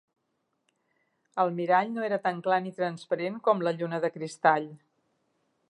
El mirall no era tan clar ni transparent com la lluna de cristall